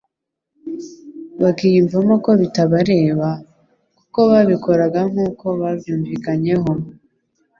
bakiyumvamo ko bitabareba, kuko babikoraga nk'uko babyumvikanyeho.